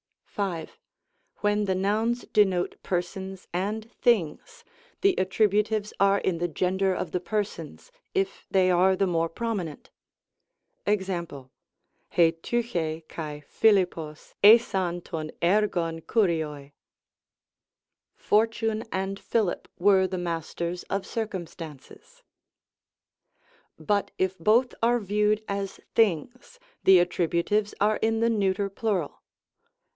V. When the nouns denote persons and things, the attributives are in the gender of the persons, if they are the more prominent. Eb., ^ tvx^ ^^^ ^ikinno^ ricav TcHv tgyav xvqlol, " fortune and Philip were the masters of circumstances." But if both are viewed as things, the attributives are in the neuter plural.